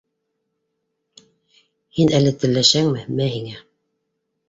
— Һин әле телләшәңме? Мә һиңә!